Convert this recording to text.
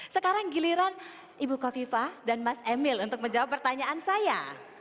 sekarang giliran ibu kofifa dan mas emil untuk menjawab pertanyaan saya